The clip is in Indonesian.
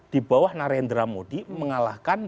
dibawah narendra modi mengalahkan